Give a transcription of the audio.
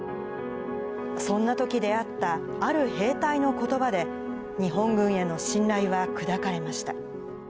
そんなとき、出会ったある兵隊のことばで、日本軍への信頼は砕かれました。